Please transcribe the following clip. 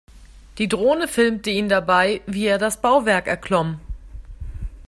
Die Drohne filmte ihn dabei, wie er das Bauwerk erklomm.